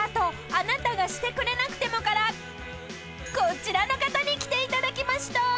『あなたがしてくれなくても』からこちらの方に来ていただきました］